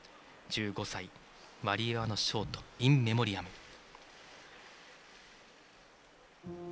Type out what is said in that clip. １５歳、ワリエワのショート「イン・メモリアム」。